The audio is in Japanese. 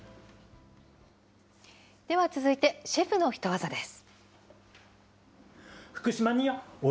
では続いて、シェフのヒトワザです。